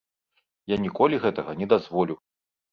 Я ніколі гэтага не дазволю.